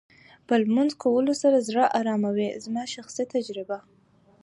په لمونځ کولو سره زړه ارامه وې زما شخصي تجربه.